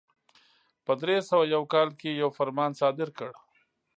په درې سوه یو کال کې یو فرمان صادر کړ.